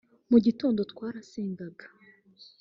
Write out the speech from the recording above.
mu gitondo twarasengaga